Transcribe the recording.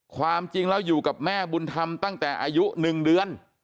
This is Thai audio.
ความจริงแล้วอยู่กับแม่บุญธรรมตั้งแต่อายุ๑เดือน